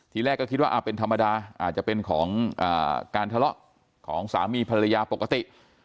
ทีแรกก็คิดว่าเป็นธรรมดาอาจจะเป็นของการทะเลาะของสามีภรรยาปกติ